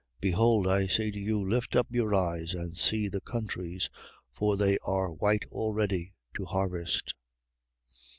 Behold, I say to you, lift up your eyes, and see the countries. For they are white already to harvest.